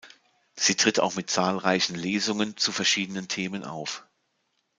Sie tritt auch mit zahlreichen Lesungen zu verschiedenen Themen auf.